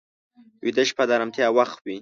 ویده شپه د ارامتیا وخت وي